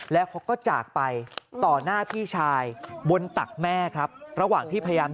แล้วเขาก็จากไปต่อหน้าพี่ชายบนตักแม่ครับระหว่างที่พยายาม